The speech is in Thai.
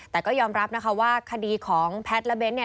แต่ก็ยอมรับว่าคดีของแพทย์และเบนส์